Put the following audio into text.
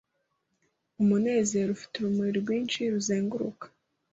Umunezero ufite urumuri rwinshi ruzenguruka